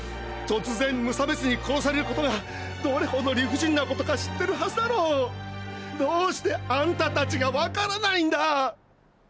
突然無差別に殺されることがどれほど理不尽なことか知ってるはずだろ⁉どうしてあんたたちがわからないんだ！！